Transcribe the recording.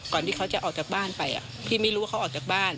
ก่อนที่เขาจะออกจากบ้านไปพี่ไม่รู้ว่าเขาออกจากบ้าน